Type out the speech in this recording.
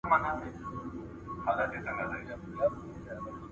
ايا حضوري ټولګي د انلاين درسونو په پرتله د استاد لارښود مستقیم ورکوي؟